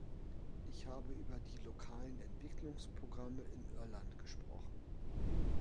Ich habe über die lokalen Entwicklungsprogramme in Irland gesprochen.